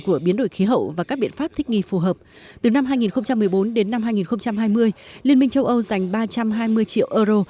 của biến đổi khí hậu và các biện pháp thích nghi phù hợp từ năm hai nghìn một mươi bốn đến năm hai nghìn hai mươi liên minh châu âu dành ba trăm hai mươi triệu euro